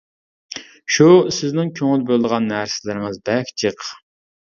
-شۇ، سىزنىڭ كۆڭۈل بۆلىدىغان نەرسىلىرىڭىز بەك جىق.